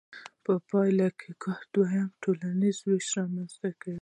په پایله کې د کار دویم ټولنیز ویش رامنځته شو.